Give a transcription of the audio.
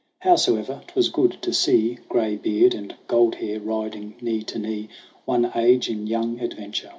Howsoe'er, 'twas good to see Graybeard and Goldhair riding knee to knee, One age in young adventure.